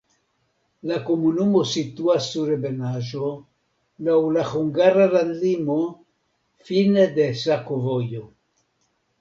La komunumo situas sur ebenaĵo, laŭ la hungara landlimo, fine de sakovojo.